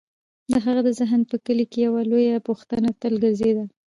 د هغه د ذهن په کلي کې یوه لویه پوښتنه تل ګرځېده: